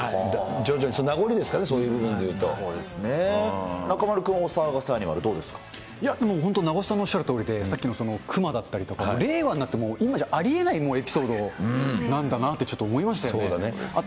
徐々に、名残ですかね、そういう中丸君、お騒がせアニマルどいや、もう本当に名越さんのおっしゃるとおりで、さっきの熊だったりとか、令和になって、もう今じゃありえないエピソードなんだなってちょっと思いましたそうだね。